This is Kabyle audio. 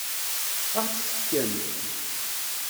Ad ɣ-tt-tefkem?